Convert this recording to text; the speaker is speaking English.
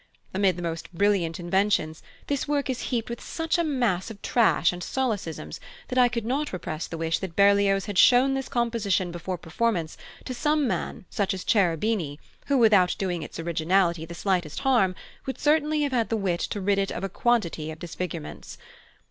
Amid the most brilliant inventions, this work is heaped with such a mass of trash and solecisms that I could not repress the wish that Berlioz had shown this composition before performance to some such man as Cherubini, who, without doing its originality the slightest harm, would certainly have had the wit to rid it of a quantity of disfigurements....